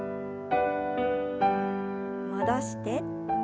戻して。